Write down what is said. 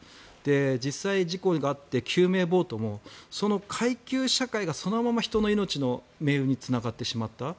実際に事故があって救命ボートも階級社会がそのまま人の命の命運につながってしまった。